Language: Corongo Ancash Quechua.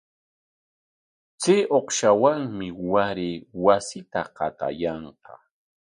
Chay uqashawanmi waray wasita qatayanqa.